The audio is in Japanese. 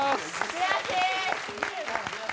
悔しい！